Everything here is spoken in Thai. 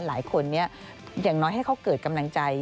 หลายคนนี้อย่างน้อยให้เขาเกิดกำลังใจ